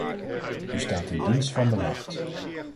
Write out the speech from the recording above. U staat in dienst van de macht.